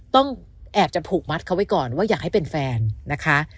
ต้องแอบจะผูกมัดเขาไว้ก่อนว่าอยากให้เป็นแฟนนะคะ